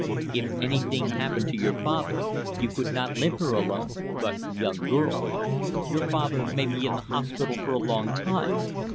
"If anything happened to your father, you could not live here alone but a young girl! Your father may be in the hospital for a long time.